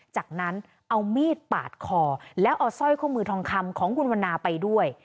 จากนั้นเอามีดปาดคอแล้วเอาสร้อยข้อมือทองคำของคุณวันนาไปด้วย